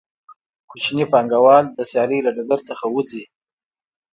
کوچني پانګوال د سیالۍ له ډګر څخه وځي